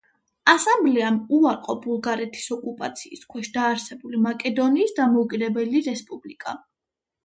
ასამბლეამ უარყო ბულგარეთის ოკუპაციის ქვეშ დაარსებული მაკედონიის დამოუკიდებელი რესპუბლიკა.